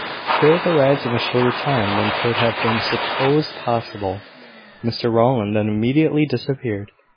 Philip arrived in a shorter time than could have been supposed possible. Mr Rowland then immediately disappeared.